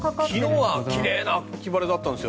昨日は奇麗な秋晴れだったんです。